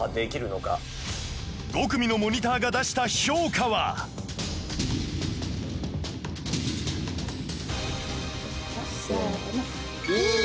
５組のモニターが出した評価はせーの。